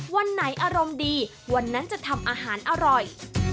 วันไหนอารมณ์ดีวันนั้นจะทำอาหารอร่อย